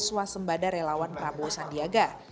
suasembada relawan prabowo sandiaga